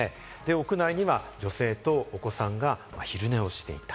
屋内には女性とお子さんが昼寝をしていた。